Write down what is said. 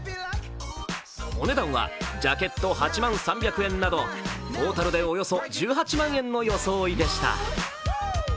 お値段はジャケット８万３００円などトータルでおよそ１８万円の装いでした。